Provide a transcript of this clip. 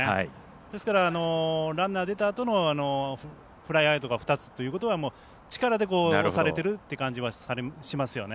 ですから、ランナー出たあとのフライアウトが２つということは力で押されてるという感じがしますよね。